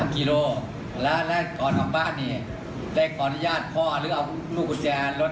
๓กิโลแล้วแล้วก่อนของบ้านเนี่ยได้ขออนุญาตพ่อหรือเอานูกุศแจรถยนต์เนี่ยมาจากไหน